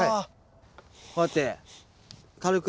こうやって軽く。